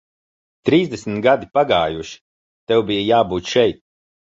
Trīsdesmit gadi pagājuši, tev bija jābūt šeit.